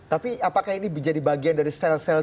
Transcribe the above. tapi apakah ini menjadi bagian dari sel sel